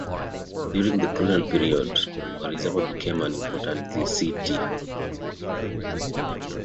During the colonial period, Orizaba became an important city.